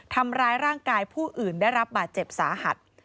ทำร้ายร่างกายผู้อื่นได้รับบาดเจ็บสาหัส